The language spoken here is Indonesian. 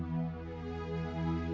aku sudah berjalan